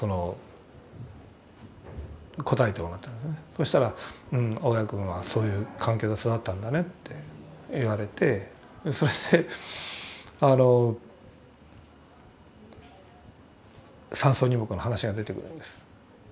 そしたら「雄谷君はそういう環境で育ったんだね」って言われてそれであの「三草二木」の話が出てくるんです。